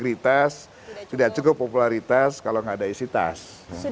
jadi integritas tidak cukup popularitas kalau tidak ada isi tas